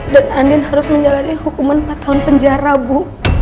dan andien harus menjalani hukuman empat tahun penjara bu